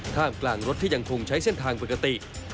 ท่ามกลางรถที่ยังคงใช้เส้นทางปกติ